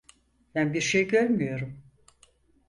Ben bir şey görmüyorum.